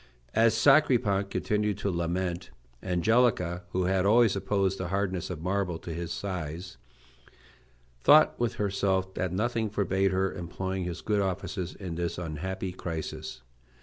As Sacripant continued to lament, Angelica, who had always opposed the hardness of marble to his sighs, thought with herself that nothing forbade her employing his good offices in this unhappy crisis.